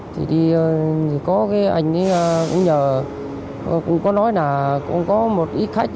thì có cái anh ấy cũng nhờ cũng có nói là cũng có một ít khách